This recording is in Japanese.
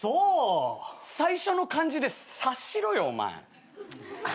最初の感じで察しろよ。